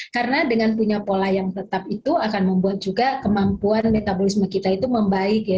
karena dengan punya pola yang tetap itu akan membuat juga kemampuan metabolisme kita itu membaik ya